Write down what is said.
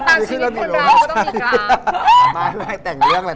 ต่างชีวิตคนราวก็ต้องมีกราฟ